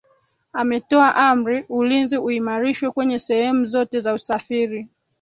ametoa amri ulinzi uimarishwe kwenye sehemu zote za usafiri